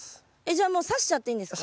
じゃあもうさしちゃっていいんですか？